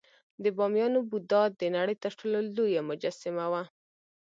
د بامیان بودا د نړۍ تر ټولو لویه مجسمه وه